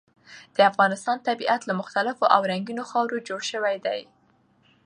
د افغانستان طبیعت له مختلفو او رنګینو خاورو جوړ شوی دی.